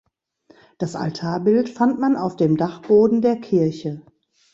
Das Altarbild fand man auf dem Dachboden der Kirche.